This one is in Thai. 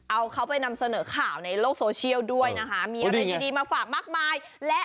แล้วอันนี้มันมันมีคลิปอย่างนี้เยอะใช่มะ